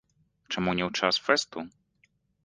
Чаму не ў час фэсту?!